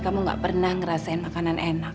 kamu gak pernah ngerasain makanan enak